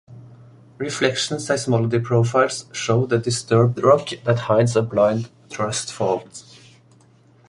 Reflection seismology profiles show the disturbed rock that hides a blind thrust fault.